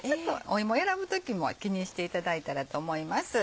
芋選ぶ時も気にしていただいたらと思います。